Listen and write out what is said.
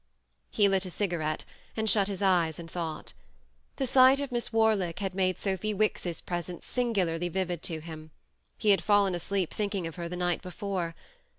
.." He lit a cigarette, and shut his eyes and thought. The sight of Miss Warlick had made Sophy Wicks's pres ence singularly vivid to him : he had fallen asleep thinking of her the night before.